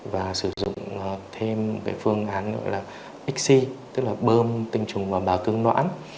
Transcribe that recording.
và sử dụng thêm phương án gọi là icsi tức là bơm tình trùng vào bào cương noãn